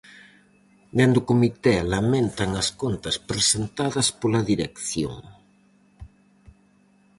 Dende o comité lamentan as contas presentadas pola dirección.